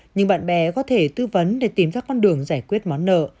nhưng bạn bè có thể tư vấn để tìm ra con đường giải quyết món nợ